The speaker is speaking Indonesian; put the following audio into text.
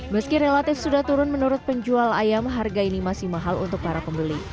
meski relatif sudah turun menurut penjual ayam harga ini masih mahal untuk para pembeli